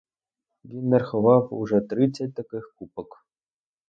Він нарахував уже тридцять таких купок.